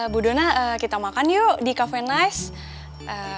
bu dona kita makan yuk di cafe nice